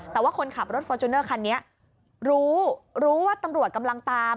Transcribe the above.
แต่ว่าคนขับรถฟอร์จูเนอร์คันนี้รู้รู้ว่าตำรวจกำลังตาม